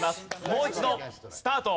もう一度スタート！